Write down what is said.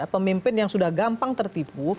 pemimpin yang sudah gampang tertipu